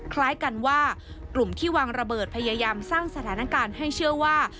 คล้ายกันว่ากลุ่มที่วางระเบิดพยายามสร้างสถานการณ์ให้เชื่อว่า